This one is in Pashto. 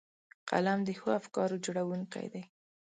قلم د ښو افکارو جوړوونکی دی